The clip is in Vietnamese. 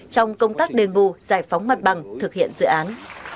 trong công tác đền bù giải phóng mặt bằng thực hiện dự án